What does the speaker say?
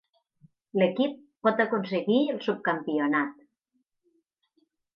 L'equip pot aconseguir el subcampionat.